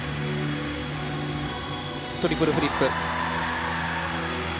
トリプルフリップ。